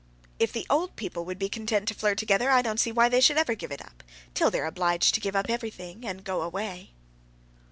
If the old people would be content to flirt together, I don't see why they should ever give it up; till they're obliged to give up every thing, and go away."